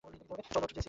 চল ওঠ জেসি!